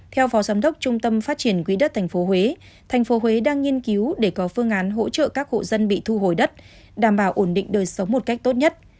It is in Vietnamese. theo phó giám đốc trung tâm phát triển quỹ đất tp huế thành phố huế đang nghiên cứu để có phương án hỗ trợ các hộ dân bị thu hồi đất đảm bảo ổn định đời sống một cách tốt nhất